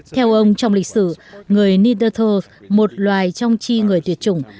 theo ông trong lịch sử người nidathos một loài trong chi người tuyệt chủng